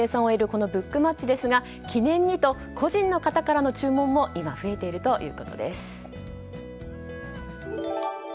このブックマッチですが記念にと個人の方からの注文も今、増えているということです。